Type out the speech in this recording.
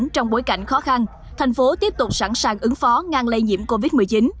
thành phố tiếp tục sẵn sàng ứng phó ngang lây nhiễm covid một mươi chín